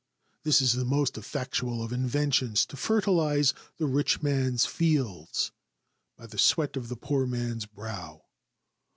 This is the most effectual of inventions to fertilize the rich man's fields by the sweat of the poor man's brow.